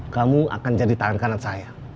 kamu akan jadi tangan kanan saya